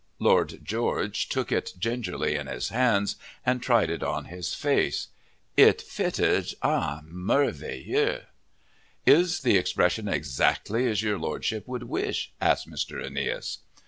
Lord George took it gingerly in his hands and tried it on his face. It fitted à merveille. "Is the expression exactly as your Lordship would wish?" asked Mr. Aeneas.